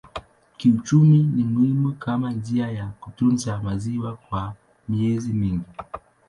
Kiuchumi ni muhimu kama njia ya kutunza maziwa kwa miezi mingi.